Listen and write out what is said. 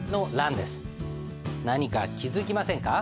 何か気付きませんか？